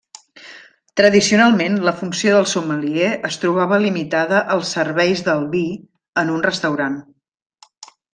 Tradicionalment la funció del sommelier es trobava limitada als serveis del vi en un restaurant.